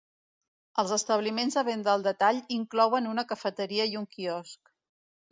Els establiments de venda al detall inclouen una cafeteria i un quiosc.